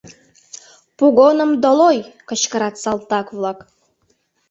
— Погоным долой! — кычкырат салтак-влак.